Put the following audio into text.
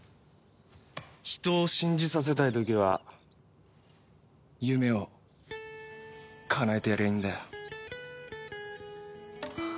人を信じさせたい時は夢を叶えてやりゃいいんだよ。